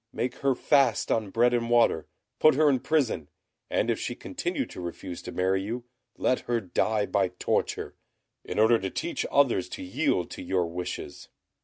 Make her fast on bread and water; put her in prison; and if she continue to refuse to marry you, let her die by torture, in order to teach others to yield to your wishes.